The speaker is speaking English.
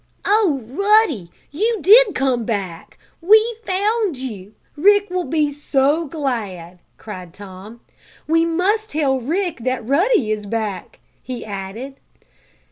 "Oh, Ruddy! You did come back! We've found you! Rick will be so glad!" cried Tom. "We must tell Rick that Ruddy is back!" he added.